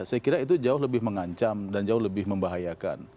saya kira itu jauh lebih mengancam dan jauh lebih membahayakan